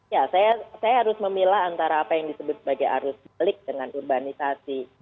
ya saya harus memilah antara apa yang disebut sebagai arus balik dengan urbanisasi